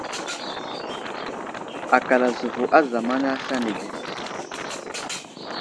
Akal azəvo a zamana aslane ge.